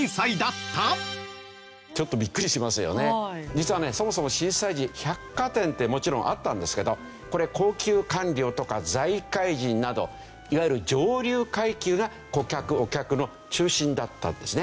実はねそもそも震災時百貨店ってもちろんあったんですけどこれ高級官僚とか財界人などいわゆる上流階級が顧客お客の中心だったんですね。